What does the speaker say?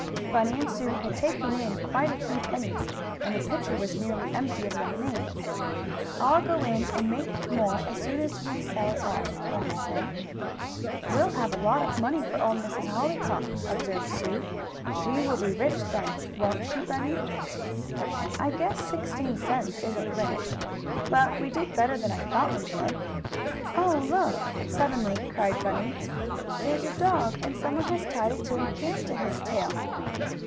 Bunny and Sue had taken in quite a few pennies, and the pitcher was nearly empty of lemonade. "I'll go in and make more as soon as we sell it all," Bunny said. "We'll have a lot of money for Old Miss Hollyhock," observed Sue. "She will be rich, then, won't she, Bunny?" "I guess sixteen cents isn't rich. But we did better than I thought we would. Oh, look!" suddenly cried Bunny. "There's a dog, and some one has tied a tin can to his tail!"